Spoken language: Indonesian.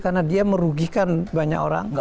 karena dia merugikan banyak orang